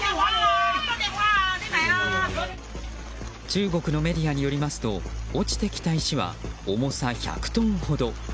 中国のメディアによりますと落ちてきた石は重さ１００トンほど。